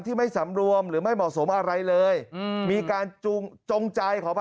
ที่ไม่สำรวมหรือไม่เหมาะสมอะไรเลยมีการจงใจขอ